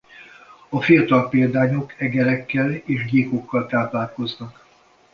A fiatal példányok egerekkel és gyíkokkal táplálkoznak.